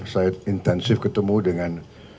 saya intensif ketemu dengan